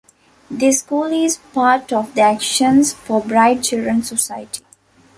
The school is part of the Action for Bright Children Society.